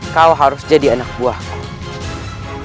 kau harus jadi anak buahku